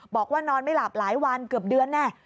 บอกว่านอนไม่หลับหลายวันเกือบเดือนแน่